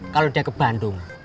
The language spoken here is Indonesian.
kalau dia ke bandung